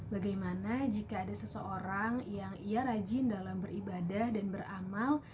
bagaimana jika ada seseorang yang ia rajin dalam beribadah dan beramal